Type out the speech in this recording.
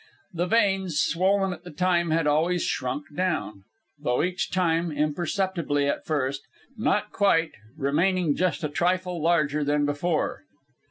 The veins, swollen at the time, had always shrunk down again, though each time, imperceptibly at first, not quite remaining just a trifle larger than before.